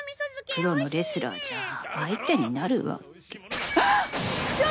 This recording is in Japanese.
プロのレスラーじゃ相手になるワケあっ！